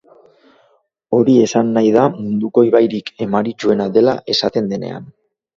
Hori esan nahi da munduko ibairik emaritsuena dela esaten denean.